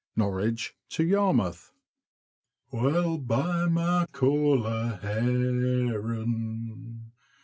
NORWICH TO YARMOUTH. Wha'll buy my caller herrin'